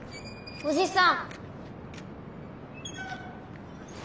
おじさん。